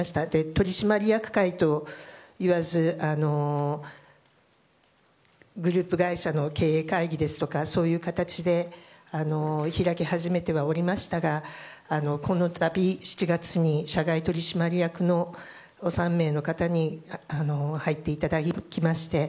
取締役会といわずグループ会社の経営会議ですとかそういう形で開き始めてはおりましたがこのたび、７月に社外取締役の３名の方に入っていただきまして